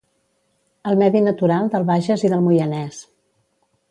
El medi natural del Bages i del Moianès